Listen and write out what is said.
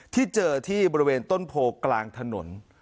ที่เจอที่บริเวณต้นโพกลางถนน